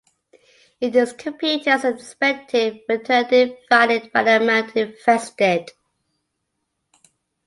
It is computed as the expected return divided by the amount invested.